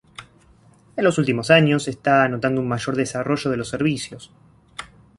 En los últimos años se está notando un mayor desarrollo de los servicios.